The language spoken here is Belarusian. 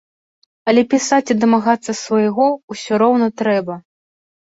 Але пісаць і дамагацца свайго ўсё роўна трэба.